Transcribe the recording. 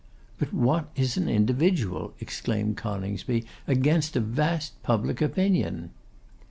'But what is an individual,' exclaimed Coningsby, 'against a vast public opinion?